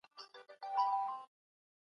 لامبو د وینې رګونو د نرمښت لپاره غوره ده.